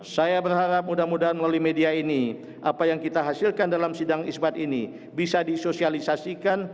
saya berharap mudah mudahan melalui media ini apa yang kita hasilkan dalam sidang isbat ini bisa disosialisasikan